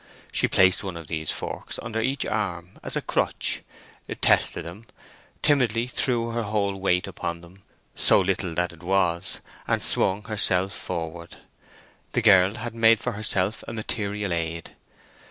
She placed one of these forks under each arm as a crutch, tested them, timidly threw her whole weight upon them—so little that it was—and swung herself forward. The girl had made for herself a material aid.